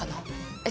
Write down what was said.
えっ！？